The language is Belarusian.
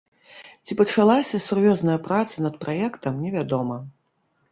Ці пачалася сур'ёзная праца над праектам, невядома.